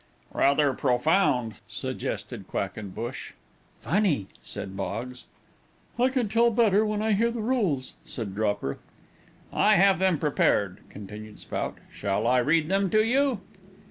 "Rather profound," suggested Quackenbush. "Funny," said Boggs. "I can tell better when I hear the rules," said Dropper. "I have them prepared," continued Spout. "Shall I read them to you?"